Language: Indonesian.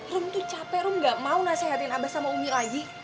rum tuh capek rum gak mau nasehatin abah sama umi lagi